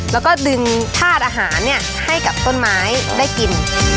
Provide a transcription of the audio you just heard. แล้วก็ดึงธาตุอาหารให้กับต้นไม้ได้กิน